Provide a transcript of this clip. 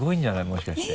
もしかして。